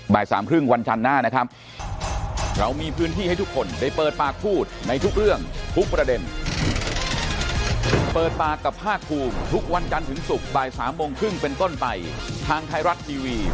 สามครึ่งวันจันทร์หน้านะครับ